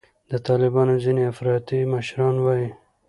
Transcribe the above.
د طالبانو ځیني افراطي مشران وایي